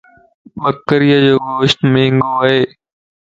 ٻڪري جو گوشت مھنگو ائي